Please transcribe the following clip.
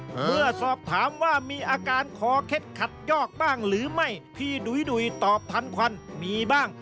เมื่อสอบถามว่ามีอาการคอเคล็ดขัดยอกบ้างหรือไม่พี่ดุยตอบทันควันมีบ้าง